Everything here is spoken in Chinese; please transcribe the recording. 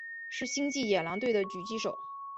是星际野狼队的狙击手。